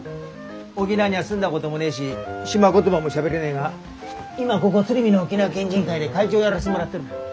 沖縄には住んだこともねえし島言葉もしゃべれねえが今はここ鶴見の沖縄県人会で会長をやらせてもらってる。